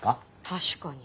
確かに。